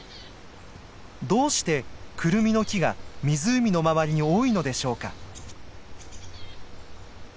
どうしてクルミの木が湖の周りに多いのでしょうか。